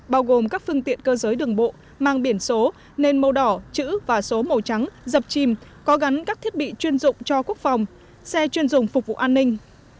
bao gồm các phương tiện cơ giới đường bộ mang biển số nền màu đỏ chữ và số màu trắng dập chim có gắn các thiết bị chuyên dụng cho quốc phòng xe chuyên dùng phục vụ an ninh